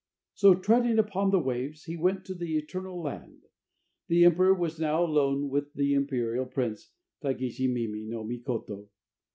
So, treading upon the waves, he went to the Eternal Land. The emperor was now alone with the imperial prince, Tagishi Mimi no Mikoto.